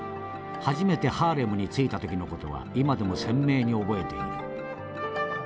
初めてハーレムに着いた時の事は今でも鮮明に覚えている。